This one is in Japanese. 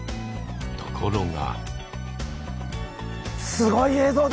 ところが。